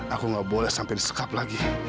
aku nggak boleh sampai disekap lagi